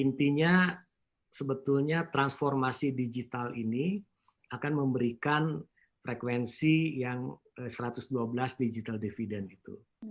intinya sebetulnya transformasi digital ini akan memberikan frekuensi yang satu ratus dua belas digital dividend itu